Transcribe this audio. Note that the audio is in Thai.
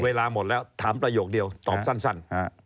เวลาหมดแล้วถามประโยคเดียวตอบสั้น